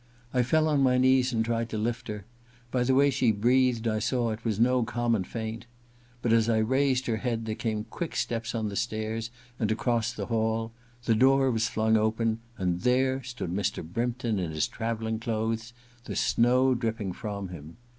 I fell on my knees and tried to lift her : by the way she breathed I saw it was no common faint. But as I raised her head there came quick steps on the stairs and across the hall : the door was flung open, and there stood Mr. Brympton, in his travelling clothes, the snow dripping from him.